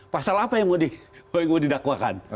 pasal apa yang mau didakwakan